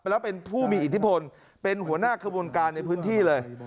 แล้วเป็นผู้มีอิทธิพลเป็นหัวหน้าขบวนการในพื้นที่เลย